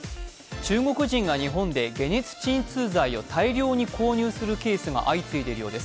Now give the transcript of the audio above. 中国人が日本で解熱鎮痛剤を大量に購入するケースが相次いででいるようです。